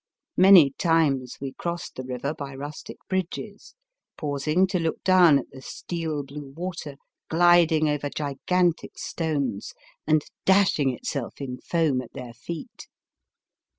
Many times we crossed the river by rustic bridges, pausing to look down at the steel blue water gliding over gigantic stones and dashing itself in foam at their feet.